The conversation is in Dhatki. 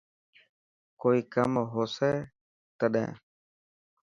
ڪوئي ڪم هو سي تٽهن.